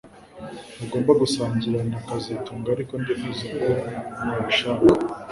Ntugomba gusangira na kazitunga ariko ndifuza ko wabishaka